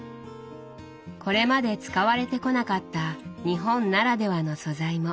これまで使われてこなかった日本ならではの素材もお酒にしています。